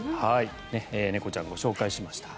猫ちゃんをご紹介しました。